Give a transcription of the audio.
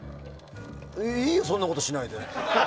いいよ、そんなことしないで。